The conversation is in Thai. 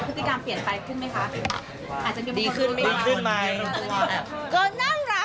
พฤติกรรมเปลี่ยนไปขึ้นมั้ยคะอาจจะดีขึ้นดีขึ้นมั้ย